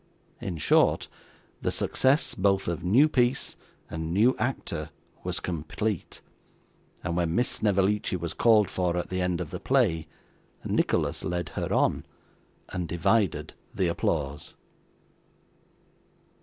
In short, the success both of new piece and new actor was complete, and when Miss Snevellicci was called for at the end of the play, Nicholas led her on, and divided the applause.